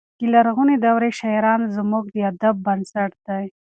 د لرغونې دورې شاعران زموږ د ادب بنسټ دی.